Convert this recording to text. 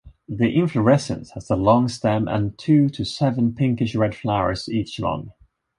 The inflorescence has a long stem and two to seven pinkish-red flowers, each long.